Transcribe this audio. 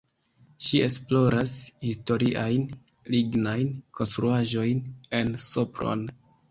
Ŝi esploras historiajn lignajn konstruaĵojn en Sopron.